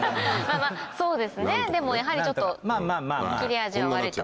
そうですねでもやはりちょっと切れ味は悪いと。